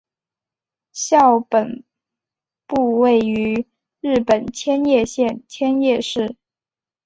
校本部位于日本千叶县千叶市。